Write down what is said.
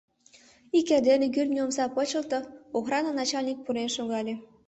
Ик эрдене кӱртньӧ омса почылто, охрана начальник пурен шогале.